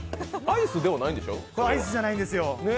アイスではないんですよね？